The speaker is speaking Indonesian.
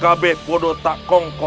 kamu harus berhenti